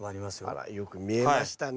あらよく見えましたね。